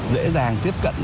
dễ dàng tiếp cận